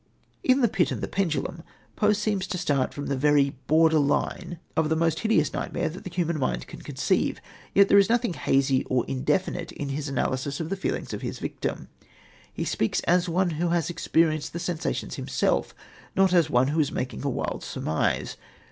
In The Pit and the Pendulum, Poe seems to start from the very border line of the most hideous nightmare that the human mind can conceive, yet there is nothing hazy or indefinite in his analysis of the feelings of his victim. He speaks as one who has experienced the sensations himself, not as one who is making a wild surmise.